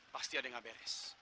pasti ada yang gak beres